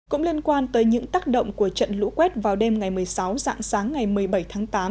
cũng liên quan tới những tác động của trận lũ quét vào đêm ngày một mươi sáu dạng sáng ngày một mươi bảy tháng tám